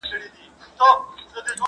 د خان خبره وه د خلکو او د کلي سلا.